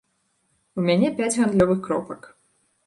У мяне пяць гандлёвых кропак.